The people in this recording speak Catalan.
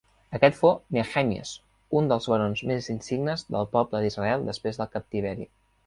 Aquest fou Nehemies, un dels barons més insignes del poble d'Israel després del captiveri.